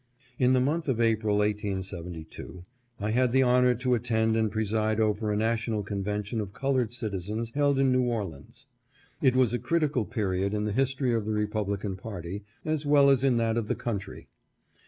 In the month of April, 1872, I had the honor to attend and preside over a national convention of colored citizens held in New Orleans. It was a critical period in the his tory of the Republican party, as well as in that of the country.